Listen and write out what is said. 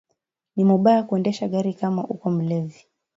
Ni mubaya kuendesha gari kama uko mulevi